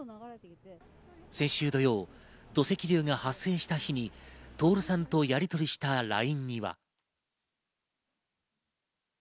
先週土曜、土石流が発生した日に徹さんとやりとりしたＬＩＮＥには。